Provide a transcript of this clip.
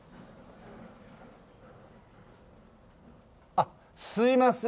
あっすいません